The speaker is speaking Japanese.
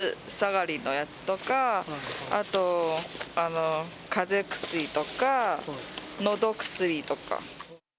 熱下がりのやつとか、あとかぜ薬とか、のど薬とか。